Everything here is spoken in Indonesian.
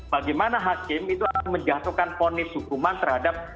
bagaimana hakim itu akan menjatuhkan ponis hukuman terhadap